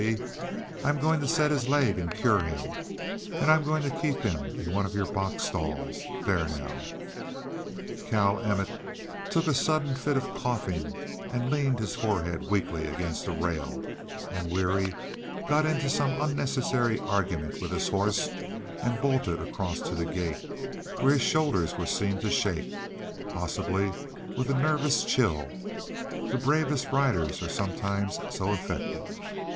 G. I'm going to set his leg and cure him and I'm going to keep him in one of your box stalls. There, now!" Cal Emmett took a sudden fit of coughing and leaned his forehead weakly against a rail, and Weary got into some unnecessary argument with his horse and bolted across to the gate, where his shoulders were seen to shake possibly with a nervous chill; the bravest riders are sometimes so affected.